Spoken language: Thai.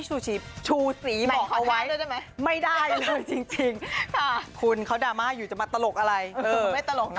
ชุสิบออกเอาไว้ไม่ได้เลยจริง